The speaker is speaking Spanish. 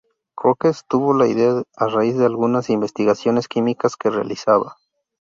Crookes tuvo la idea a raíz de algunas investigaciones químicas que realizaba.